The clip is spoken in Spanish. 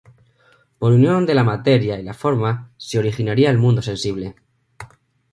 Por unión de la materia y la forma se originaría el mundo sensible.